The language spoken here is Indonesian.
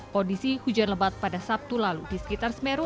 kondisi hujan lebat pada sabtu lalu di sekitar semeru